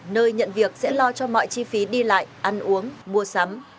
nơi nhận việc sẽ lo cho mọi chi phí đi lại ăn uống mua sắm